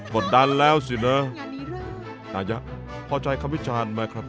ดดันแล้วสิเนอะอายะพอใจคำวิจารณ์ไหมครับ